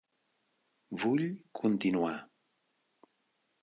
Vull continuar.